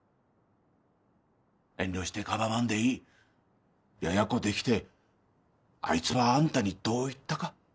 遠慮してかばわんでいいやや子できてあいつはあんたにどう言ったか？